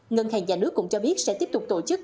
ngân hàng nhà nước cũng cho biết sẽ tiếp tục tổ chức